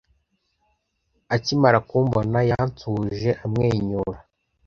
Akimara kumbona, yansuhuje amwenyura.